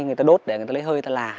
người ta đốt để người ta lấy hơi ta là